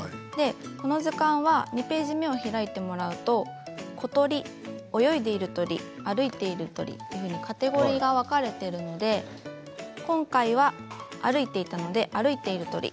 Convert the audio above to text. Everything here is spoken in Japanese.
この図鑑は２ページ目を開いてもらうと小鳥、泳いでいる鳥歩いている鳥とカテゴリーが分かれているので今回は歩いていたので歩いている鳥。